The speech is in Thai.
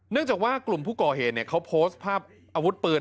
เนื่องจากว่ากลุ่มผู้ก่อเหตุเนี่ยเขาโพสต์ภาพอาวุธปืน